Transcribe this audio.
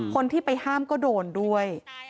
คนที่ไปห้ามก็โดนด้วย